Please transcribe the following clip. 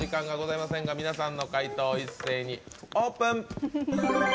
皆さんの解答を一斉にオープン。